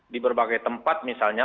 di berbagai tempat misalnya